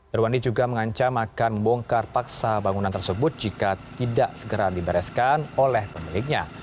irwandi juga mengancam akan membongkar paksa bangunan tersebut jika tidak segera dibereskan oleh pemiliknya